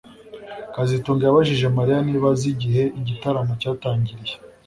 kazitunga yabajije Mariya niba azi igihe igitaramo cyatangiriye